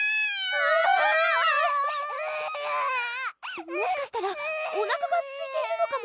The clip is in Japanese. あぁもしかしたらおなかがすいているのかも？